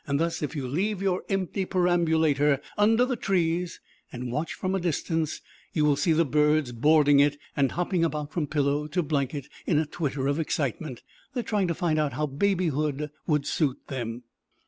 Thus, if you leave your empty perambulator under the trees and watch from a distance, you will see the birds boarding it and hopping about from pillow to blanket in a twitter of excitement; they are trying to find out how babyhood would suit them.